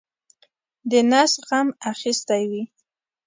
د نس غم اخیستی وي.